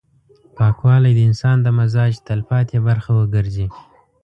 پاکوالی د انسان د مزاج تلپاتې برخه وګرځي.